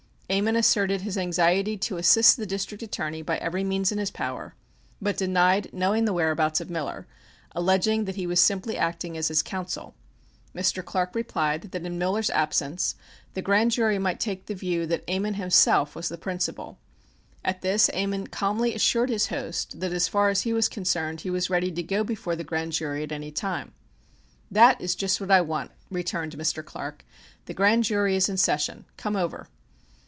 Ammon asserted his anxiety to assist the District Attorney by every means in his power, but denied knowing the whereabouts of Miller, alleging that he was simply acting as his counsel. Mr. Clark replied that in Miller's absence the grand jury might take the view that Ammon himself was the principal. At this Ammon calmly assured his host that as far as he was concerned he was ready to go before the grand jury at any time. "That is just what I want," returned Mr. Clark, "the grand jury is in session. Come over."